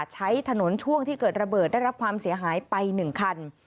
ใช้ถนนช่วงที่เกิดระเบิดได้รับความเสียหายไป๑คัน